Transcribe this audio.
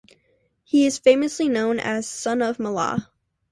He is famously known as Son Of Mallah.